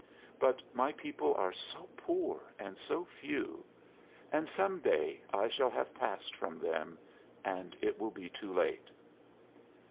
But my people are so poor and so few! And some day I shall have passed from them, and it will be too late."